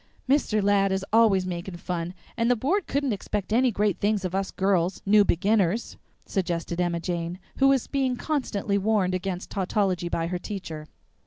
"Mr. Ladd is always making fun, and the Board couldn't expect any great things of us girls, new beginners," suggested Emma Jane, who was being constantly warned against tautology by her teacher.